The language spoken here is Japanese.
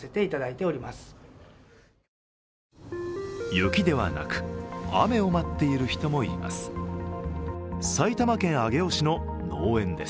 雪ではなく、雨を待っている人もいます。